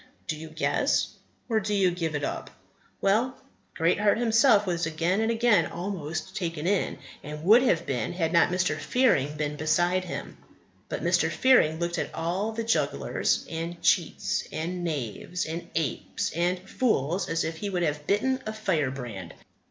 Do you guess, or do you give it up? Well, Greatheart himself was again and again almost taken in; and would have been had not Mr. Fearing been beside him. But Mr. Fearing looked at all the jugglers, and cheats, and knaves, and apes, and fools as if he would have bitten a firebrand.